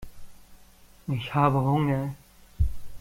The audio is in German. Ich habe Hunger.